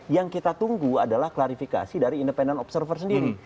yang kita tunggu adalah klarifikasi dari independent observer sendiri